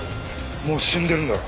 もう死んでるんだろう？